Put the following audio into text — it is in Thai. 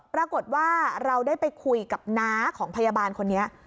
ปรากฏว่าเราได้ไปคุยกับน้าของพยาบาลคนนี้